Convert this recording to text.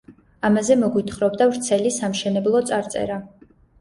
ამაზე მოგვითხრობდა ვრცელი სამშენებლო წარწერა.